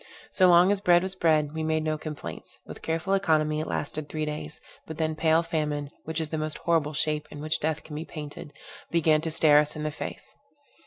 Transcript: So long as bread was bread, we made no complaints; with careful economy it lasted three days, but then pale famine, which is the most horrible shape in which death can be painted, began to stare us in the face.